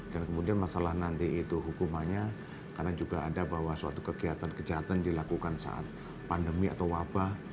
dan kemudian masalah nanti itu hukumannya karena juga ada bahwa suatu kegiatan kejahatan dilakukan saat pandemi atau wabah